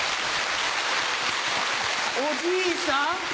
おじいさん